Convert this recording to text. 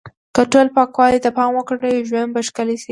که ټول پاکوالی ته پام وکړو، ژوند به ښکلی شي.